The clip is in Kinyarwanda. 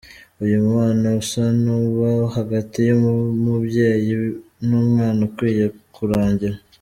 Uyu mubano usa n’uba hagati y’umubyeyi n’umwana ukwiye kurangira